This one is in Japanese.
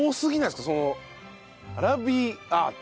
そのアラビアータ。